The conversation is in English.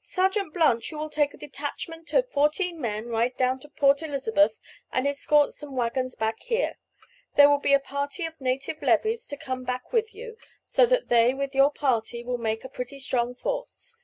"Sergeant Blunt, you will take a detachment of fourteen men, ride down to Port Elizabeth, and escort some waggons back here. There will be a party of native levies to come back with you, so that they, with your party, will make a pretty strong force.